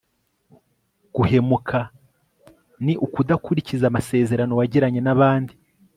guhemuka ni ukudakurikiza amasezerano wagiranye n'abandi